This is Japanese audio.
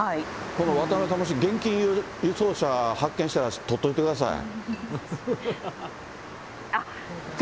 今度、渡辺さん、現金輸送車発見したら、撮っといてください。